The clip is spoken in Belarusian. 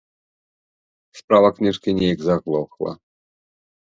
Справа кніжкі нейк заглохла.